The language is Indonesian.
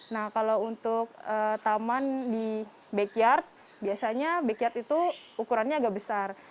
nah kalau untuk taman di backyard biasanya backyard itu ukurannya agak besar